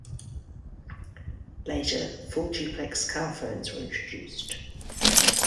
Later, full-duplex car phones were introduced.